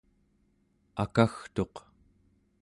akagtuq